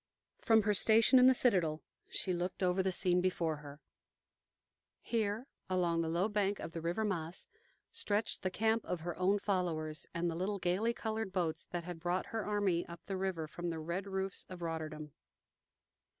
From her station in the citadel she looked over the scene before her. Here, along the low bank of the river Maas, stretched the camp of her own followers, and the little gayly colored boats that had brought her army up the river from the red roofs of Rotterdam.